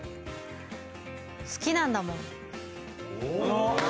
好きなんだもん。